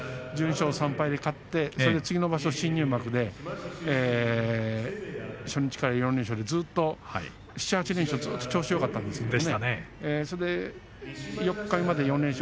このころ、この場所１２勝３敗で勝ってその次の場所、新入幕で初日から４連勝で７、８年ずっと調子がよかったんですね。